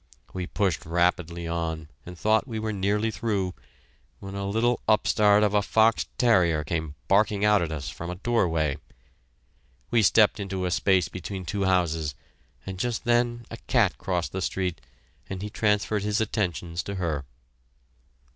We pushed rapidly on, and thought we were nearly through, when a little upstart of a fox terrier came barking out at us from a doorway. We stepped into a space between two houses, and just then a cat crossed the street and he transferred his attentions to her.